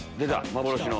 幻の。